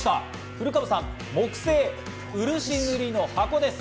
古株さん、木製漆塗りの箱です。